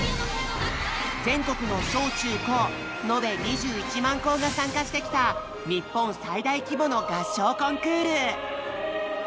全国の小・中・高のべ２１万校が参加してきた日本最大規模の合唱コンクール！